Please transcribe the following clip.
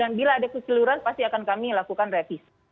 dan bila ada keseluruhan pasti akan kami lakukan revis